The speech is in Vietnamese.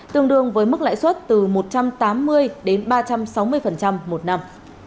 tương đương với mức lãi suất từ một trăm tám mươi đến ba trăm sáu mươi một năm